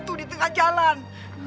tuh di tengah jalan